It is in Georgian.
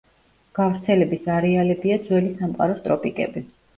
გავრცელების არეალებია ძველი სამყაროს ტროპიკები.